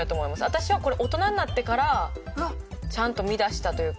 私はこれ大人になってからちゃんと見だしたというか。